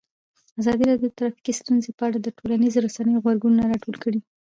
ازادي راډیو د ټرافیکي ستونزې په اړه د ټولنیزو رسنیو غبرګونونه راټول کړي.